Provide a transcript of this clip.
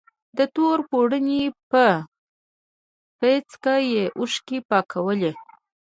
د تور پوړني په پيڅکه يې اوښکې پاکولې.